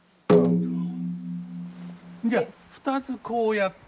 じゃあ２つこうやって。